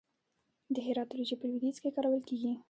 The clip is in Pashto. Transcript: د هرات وریجې په لویدیځ کې کارول کیږي.